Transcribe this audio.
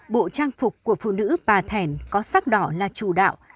bộ trang phục của phụ nữ bà thẻn có sắc đỏ là chủ đạo